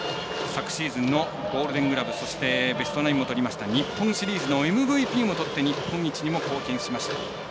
昨シーズンのゴールデン・グラブそしてベストナインもとりました日本シリーズのＭＶＰもとって日本一に貢献しました。